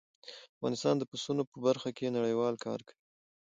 افغانستان د پسونو په برخه کې نړیوال کار کوي.